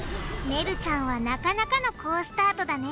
ねるちゃんはなかなかの好スタートだね